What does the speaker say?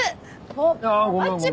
あぁごめんごめん。